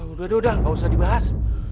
udah udah gak usah dibahas